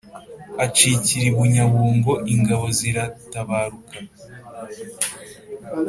acikira i bunyabungo, ingabo ziratabaruka